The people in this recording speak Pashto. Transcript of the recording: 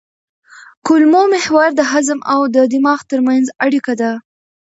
کولمو محور د هضم او دماغ ترمنځ اړیکه ده.